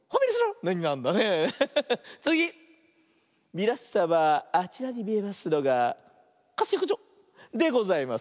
みなさまあちらにみえますのが「かすよくじょ」でございます。